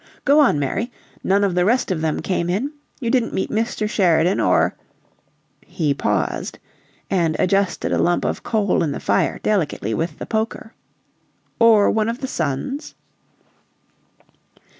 "Go on, Mary. None of the rest of them came in? You didn't meet Mr. Sheridan or " He paused and adjusted a lump of coal in the fire delicately with the poker. "Or one of the sons?"